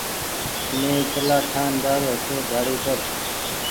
مين چلآ ٺآن جآرو هيتو ڍيآڙي پر۔